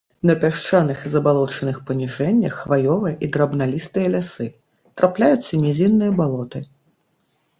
На пясчаных і забалочаных паніжэннях хваёвыя і драбналістыя лясы, трапляюцца нізінныя балоты.